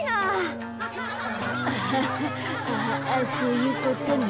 アハハアハそういうことね。